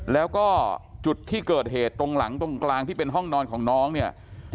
แล้วก็จุดที่เกิดเหตุตรงหลังตรงกลางที่เป็นห้องนอนของน้องเนี่ย